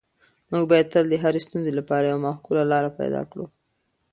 موږ باید تل د هرې ستونزې لپاره یوه معقوله لاره پیدا کړو.